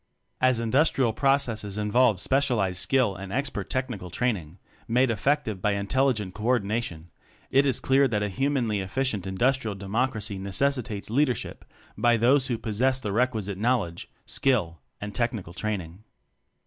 As industrial processes involve spe cialized skill and expert technical training, made effective by intelligent co ordination, it is clear that a hu manly efficient Industrial Democracy necessitates leadership by those who possess the requisite knowledge, skill, and technical training.